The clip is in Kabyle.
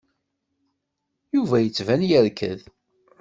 Yuba yettban yerked.